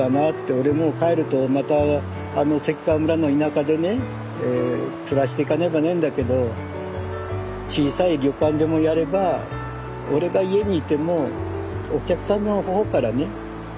俺もう帰るとまたあの関川村の田舎でね暮らしていかねばねえんだけど小さい旅館でもやれば俺が家にいてもお客さんの方からね来てくれる。